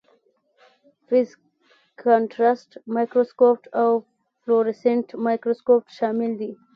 فیز کانټرسټ مایکروسکوپ او فلورسینټ مایکروسکوپ شامل دي.